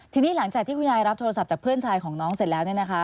ทีนี้หลังจากที่คุณยายรับโทรศัพท์จากเพื่อนชายของน้องเสร็จแล้ว